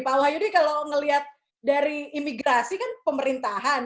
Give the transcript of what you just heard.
pak wahyudi kalau ngelihat dari imigrasi kan pemerintahan